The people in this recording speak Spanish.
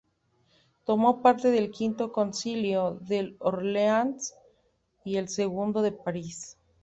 Tomó parte en el quinto Concilio de Orleáns y en el segundo de París.